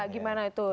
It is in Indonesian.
gimana itu dokter